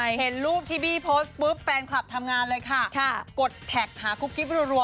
ก็ติดที่จะเห็นรูปที่บี้โพสต์แฟนคลับเลยค่ะสิงค่ะกดโทรการ์ดนะครับ